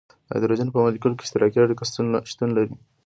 د هایدروجن په مالیکول کې اشتراکي اړیکه شتون لري.